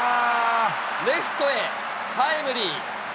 レフトへタイムリー。